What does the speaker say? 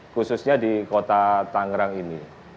khususnya di kota tangerang ini